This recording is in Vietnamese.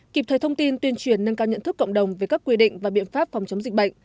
kịp thời thông tin tuyên truyền nâng cao nhận thức cộng đồng về các quy định và biện pháp phòng chống dịch bệnh